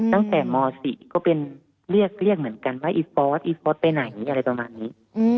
ม๔ก็เป็นเรียกเรียกเหมือนกันว่าอีฟอสอีฟอสไปไหนอะไรประมาณนี้